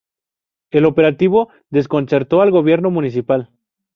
El operativo desconcertó al gobierno municipal.